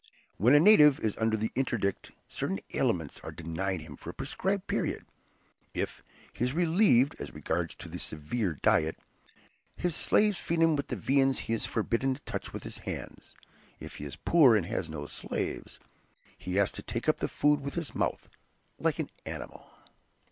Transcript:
When a native is under the interdict, certain aliments are denied him for a prescribed period. If he is relieved, as regards the severe diet, his slaves feed him with the viands he is forbidden to touch with his hands; if he is poor and has no slaves, he has to take up the food with his mouth, like an animal.